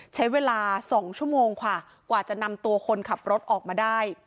ใช้เวลา๒ชั่วโมงค่ะกว่าจะนำตัวคนขับรถออกมาได้